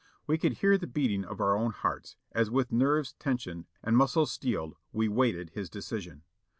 We could hear the beating of our own hearts, as with nerves tensioned and muscles steeled we waited his decision.